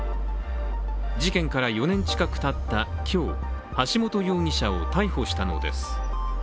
事件から４年近くたった今日橋本容疑者を逮捕したのです。